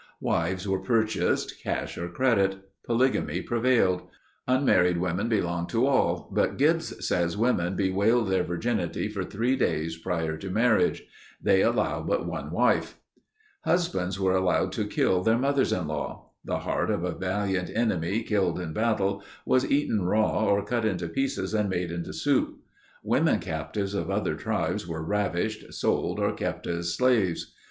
Wives were purchased, cash or credit. Polygamy prevailed. Unmarried women belonged to all, but Gibbs says women bewailed their virginity for three days prior to marriage. "They allow but one wife." (Prince in California Farmer, Oct. 18, 1861.) Husbands were allowed to kill their mothers in law. The heart of a valiant enemy killed in battle was eaten raw or cut into pieces and made into soup. Women captives of other tribes were ravished, sold or kept as slaves.